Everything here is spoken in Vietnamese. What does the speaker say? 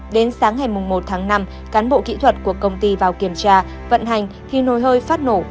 đến sáng ngày một tháng năm cán bộ kỹ thuật của công ty vào kiểm tra vận hành thì nồi hơi phát nổ